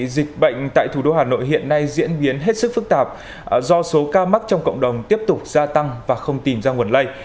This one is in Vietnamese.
dịch bệnh tại thủ đô hà nội hiện nay diễn biến hết sức phức tạp do số ca mắc trong cộng đồng tiếp tục gia tăng và không tìm ra nguồn lây